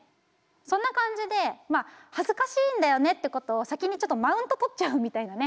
そんな感じで恥ずかしいんだよねってことを先にちょっとマウントとっちゃうみたいなね。